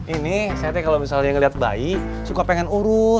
ini saya pikir kalau misalnya ngeliat bayi suka pengen urus suka pengen ngurus